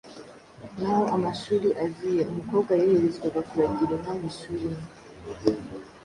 Naho amashuri aziye, umukobwa yoherezwaga kuragira inka ngo ishuri ni